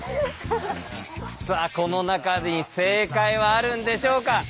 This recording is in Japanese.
さあこの中に正解はあるんでしょうか？